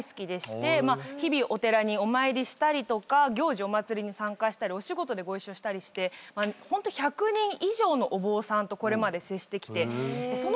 日々お寺にお参りしたりとか行事お祭りに参加したりお仕事でご一緒したりしてホント１００人以上のお坊さんとこれまで接してきてその中で分かったことっていうのがあるんですよ。